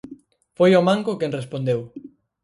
Foi o Manco quen respondeu: